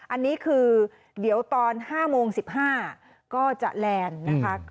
อันนี้คือเดี๋ยวตอน๕โมง๑๕ก็จะแลนด์นะคะ